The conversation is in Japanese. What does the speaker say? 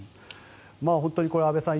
本当に安部さん